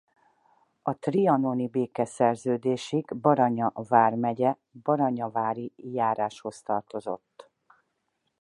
A trianoni békeszerződésig Baranya vármegye Baranyavári járásához tartozott.